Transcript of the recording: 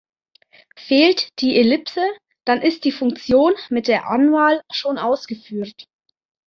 Fehlt die Ellipse, dann ist die Funktion mit der Anwahl schon ausgeführt.